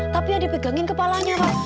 tapi ya dipegangin kepalanya pak